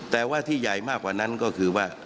แต่ว่าที่ใหญ่มากกว่านั้นก็คือว่า